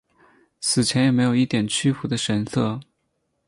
死前也没有一点屈服的神色。